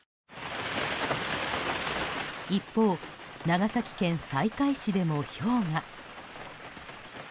一方、長崎県西海市でもひょうが。